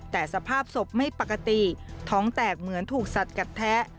แต่สภาพศพไม่ปกติท้องแตกเหมือนถูกสัดกัดแทะ